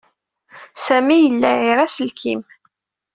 Sami yella ira iselkimen.